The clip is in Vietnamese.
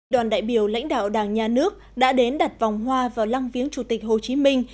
đoàn đại biểu lãnh đạo đảng nhà nước đã đến đặt vòng hoa vào lăng viếng chủ tịch hồ chí minh